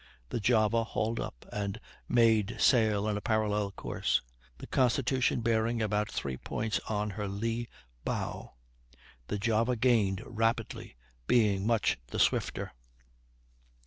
The Java hauled up, and made sail in a parallel course, the Constitution bearing about three points on her lee bow. The Java gained rapidly, being much the swifter.